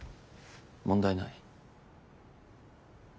問題ない。